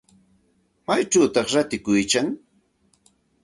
¿Maychawta ratikuykan?